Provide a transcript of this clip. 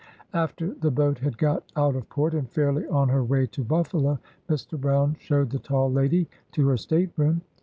After the boat had got out of port and fairly on her way to Buffalo, Mr. Brown showed the tall lady to her state room.